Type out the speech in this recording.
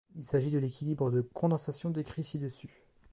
Il s'agit de l'équilibre de condensation décrit ci-dessus.